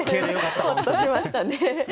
ホッとしましたね。